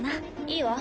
いいわ。